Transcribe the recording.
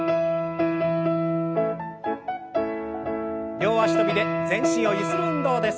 両脚跳びで全身をゆする運動です。